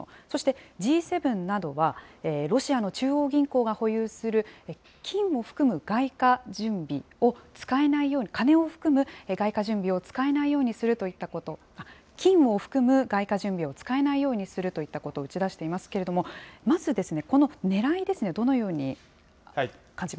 そして、Ｇ７などはロシアの中央銀行が保有する金を含む外貨準備を使えないように、金を含む外貨準備を使えないようにするといったこと、きんを含む外貨準備を使えないようにするといったことを打ち出していますけれども、まず、このねらいですね。